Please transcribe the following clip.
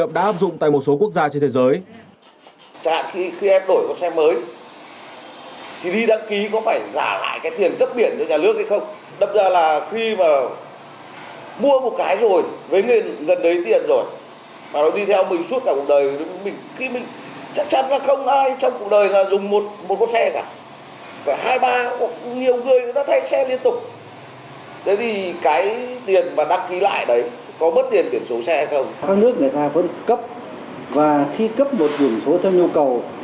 các nước người ta vẫn cấp và khi cấp một quyền số theo nhu cầu